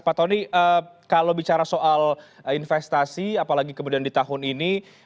pak tony kalau bicara soal investasi apalagi kemudian di tahun ini